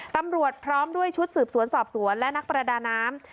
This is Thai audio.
ตำรวจพร้อมด้วยชุดสืบสวนสอบสวนและนักประดาน้ำ